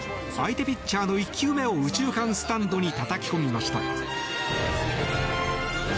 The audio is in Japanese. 相手ピッチャーの１球目を右中間スタンドにたたき込みました。